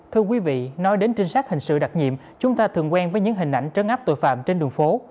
thưa quý vị nói đến trinh sát hình sự đặc nhiệm chúng ta thường quen với những hình ảnh trấn áp tội phạm trên đường phố